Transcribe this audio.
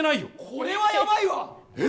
これはやばいわ。